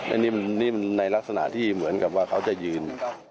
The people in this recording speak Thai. อันนี้ในลักษณะที่เหมือนกับว่าเขาจะยืน